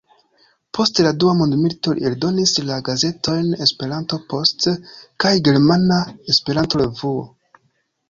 Post la dua mondmilito li eldonis la gazetojn "Esperanto-Post" kaj "Germana Esperanto-Revuo.